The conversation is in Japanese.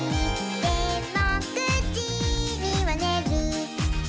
「でも９じにはねる」